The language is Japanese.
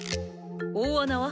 大穴は？